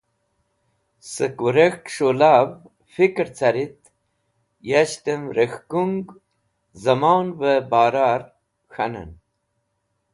Sẽk wẽrek̃hk s̃hũlav fikẽr carit, yashtẽm rek̃hkung zẽmonavẽ bara k̃hanẽn.